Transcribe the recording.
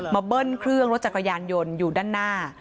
เบิ้ลเครื่องรถจักรยานยนต์อยู่ด้านหน้า